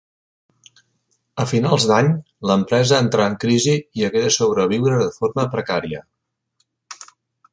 A finals d'any, l'empresa entrà en crisi i hagué de sobreviure de forma precària.